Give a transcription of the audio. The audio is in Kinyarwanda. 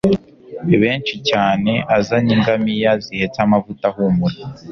benshi cyane azanye ingamiya zihetse amavuta ahumura